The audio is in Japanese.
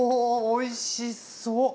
おいしそう。